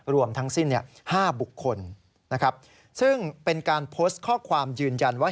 รวมทั้งสิ้น๕บุคคลนะครับซึ่งเป็นการโพสต์ข้อความยืนยันว่า